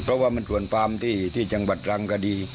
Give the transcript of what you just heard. เพราะว่ามีส่วนความที่จังหวัดแล้วก็ดี